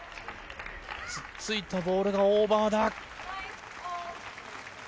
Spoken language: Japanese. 突っついたボールがオーバーだ。